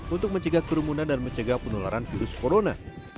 untuk mencegah kerumunan dan mencegah penularan virus corona